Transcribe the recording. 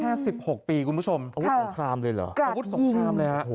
สิบหกปีคุณผู้ชมอาวุธสงครามเลยเหรออาวุธสงครามเลยฮะ